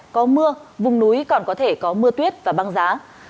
có mưa vùng núi còn có thể có mưa tuyết và băng giá